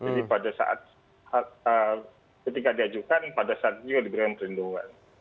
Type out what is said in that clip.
jadi pada saat ketika diajukan pada saat itu juga diberikan perlindungan